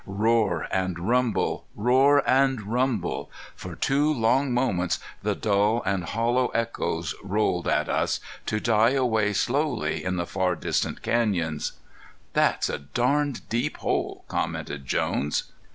Roar and rumble roar and rumble! for two long moments the dull and hollow echoes rolled at us, to die away slowly in the far distant canyons. "That's a darned deep hole," commented Jones.